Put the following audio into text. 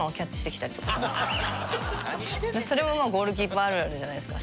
それもまあゴールキーパーあるあるじゃないですか。